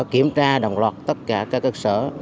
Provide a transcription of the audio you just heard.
kiểm tra đồng loạt tất cả cơ sở